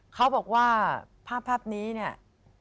เขาบอกว่าภาพนี้เนี่ย